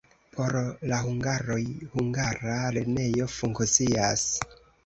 Por la hungaroj hungara lernejo funkcias.